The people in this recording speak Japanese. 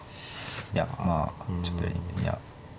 いやまあちょっといや。